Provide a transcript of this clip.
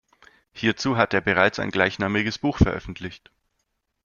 Hierzu hat er bereits ein gleichnamiges Buch veröffentlicht.